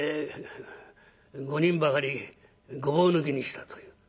５人ばかりごぼう抜きにしたという。